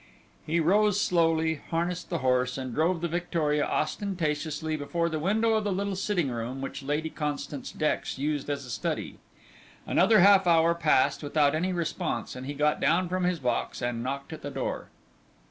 He rose slowly, harnessed the horse, and drove the victoria ostentatiously before the window of the little sitting room which Lady Constance Dex used as a study. Another half an hour passed without any response, and he got down from his box and knocked at the door.